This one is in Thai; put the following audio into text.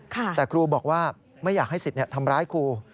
แต่ครูบอกว่าไม่อยากให้สิทธิ์ทำร้ายครู